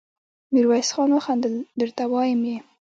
ميرويس خان وخندل: درته وايم يې!